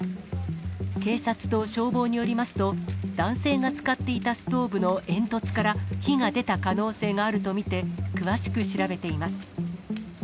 警察と消防によりますと、男性が使っていたストーブの煙突から火が出た可能性があると見て、詳しく調べています。